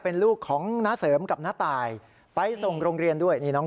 เป็นลูกของน้าเสริมกับน้าตายไปส่งโรงเรียนด้วยนี่น้อง